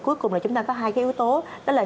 cuối cùng là chúng ta có hai cái yếu tố đó là